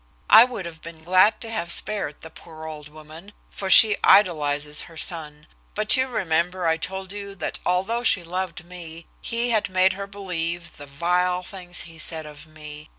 I would have been glad to have spared the poor old woman, for she idolizes her son, but you remember I told you that although she loved me, he had made her believe the vile things he said of me.